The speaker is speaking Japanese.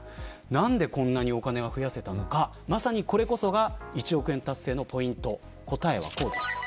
何でこんなにお金が増やせたのかまさに、これこそが１億円達成のポイント答えはこうです。